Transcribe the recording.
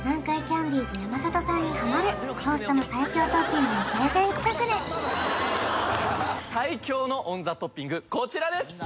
キャンディーズ山里さんにハマるトーストの最強トッピングのプレゼン企画で最強のオンザトッピングこちらです